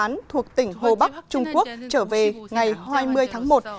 án thuộc tỉnh hồ bắc trung quốc trở về ngày hai mươi tháng một